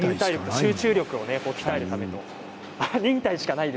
集中力を鍛えるための。